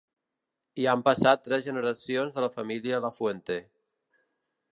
Hi han passat tres generacions de la família Lafuente.